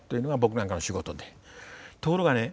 ところがね